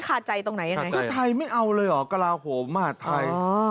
ก็ไทยไม่เอาเลยหรอกะลาโหมมหาดไทย